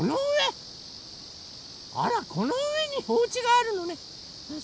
あらこのうえにおうちがあるのね。